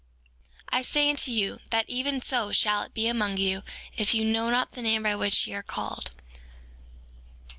I say unto you, that even so shall it be among you if ye know not the name by which ye are called.